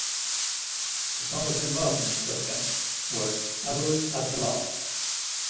Usamah bin Ladin's Kunya was "Abu Abdullah".